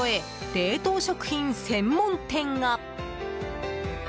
冷凍食品専門店が。